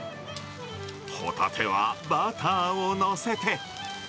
ホタテはバターを載せて。